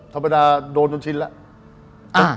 ธรรมดาโดนจนชิ้นแล้ว